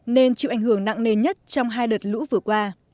nên chịu ảnh hưởng nặng nề nhất trong hai đợt lũ vừa qua